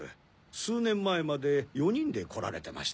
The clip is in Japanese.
数年前まで４人で来られてましたよ？